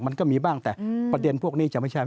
มันก็มีบ้างแต่ประเด็นพวกนี้จะไม่ใช่